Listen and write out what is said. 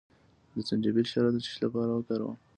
د زنجبیل شیره د څه لپاره وکاروم؟